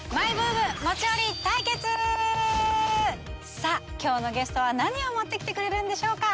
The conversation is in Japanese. さぁ今日のゲストは何を持ってきてくれるんでしょうか？